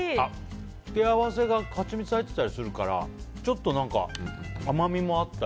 つけ合わせがハチミツ入ってたりするからちょっと甘みもあったり。